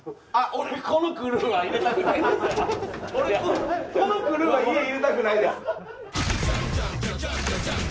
俺このクルーは家入れたくないです。